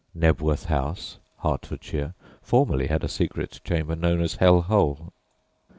Knebworth House, Hertfordshire, formerly had a secret chamber known as "Hell Hole."